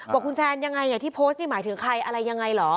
บอกคุณแซนยังไงที่โพสต์นี่หมายถึงใครอะไรยังไงเหรอ